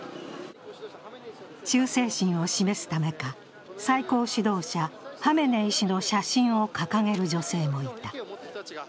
忠誠心を示すためか、最高指導者ハメネイ師の写真を掲げる女性もいた。